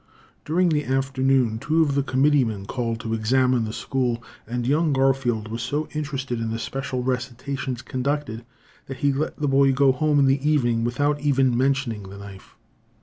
During the afternoon two of the committeemen called to examine the school, and young Garfield was so interested in the special recitations conducted that he let the boy go home in the evening without even mentioning the knife.